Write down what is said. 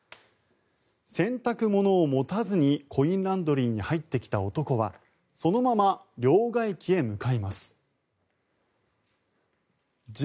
洗濯物を持たずにコインランドリーに入ってきた男はそのまま両替機へ向かいます。